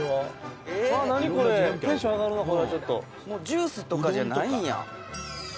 「ジュースとかじゃないんや」